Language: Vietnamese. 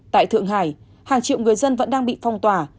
tại thượng hải hàng triệu người dân vẫn đang bị phong tỏa